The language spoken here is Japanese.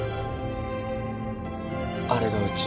あれがうち。